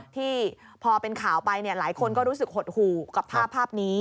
ที่พอเป็นข่าวไปหลายคนก็รู้สึกหดหู่กับภาพนี้